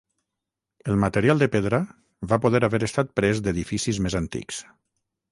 El material de pedra va poder haver estat pres d'edificis més antics.